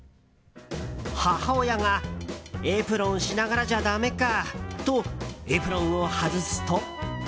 母親が、エプロンしながらじゃダメかとエプロンを外すと。